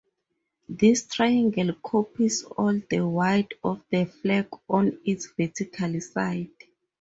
This triangle occupies all the wide of the flag on its vertical side.